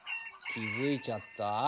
気付いちゃった？